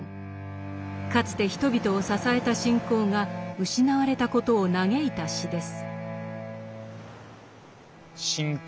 かつて人々を支えた信仰が失われたことを嘆いた詩です。